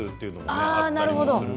あなるほど。